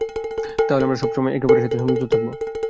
তাহলে আমরা সব সময় একে অপরের সাথে সংযুক্ত থাকবো।